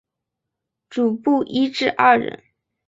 主薄一至二人。